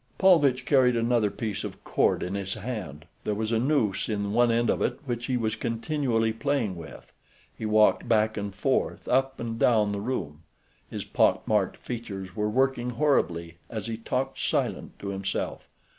Paulvitch carried another piece of cord in his hand. There was a noose in one end of it which he was continually playing with. He walked back and forth, up and down the room. His pock marked features were working horribly as he talked silent to himself.